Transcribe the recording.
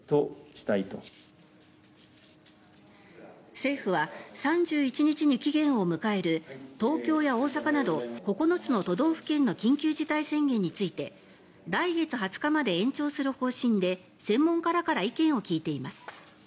政府は３１日に期限を迎える東京や大阪など９つの都道府県の緊急事態宣言について来月２０日まで延長する方針で専門家らから意見を聞いています。